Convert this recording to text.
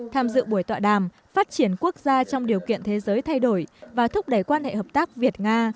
tham dự buổi tọa đàm phát triển quốc gia trong điều kiện thế giới thay đổi và thúc đẩy quan hệ hợp tác việt nga